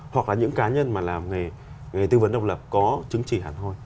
hoặc là những cá nhân mà làm nghề nghề tư vấn độc lập có chứng chỉ hẳn thôi